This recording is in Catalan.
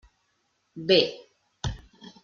Bé.